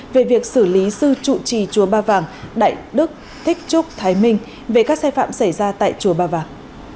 về việc xử lý sư trụ trì chùa ba vàng đại đức thích trúc thái minh về các sai phạm xảy ra tại chùa ba vàng